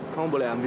kamu boleh ambil